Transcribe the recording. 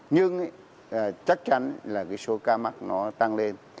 nhưng chắc chắn là cái số ca mắc nó tăng lên